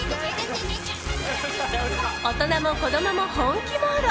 大人も子供も本気モード。